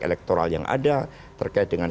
elektoral yang ada terkait dengan